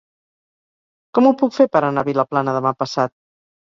Com ho puc fer per anar a Vilaplana demà passat?